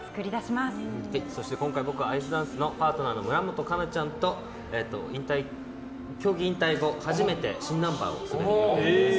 今回僕は、アイスダンスのパートナーの村元哉中ちゃんと競技引退後、初めて新ナンバーを滑る予定です。